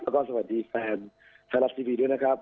แล้วก็สวัสดีแฟนไทยรัฐทีวีด้วยนะครับ